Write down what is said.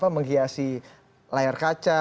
menghiasi layar kaca